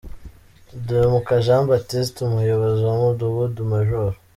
Udahemuka Jean Baptiste, umuyobozi w’umudugudu Maj.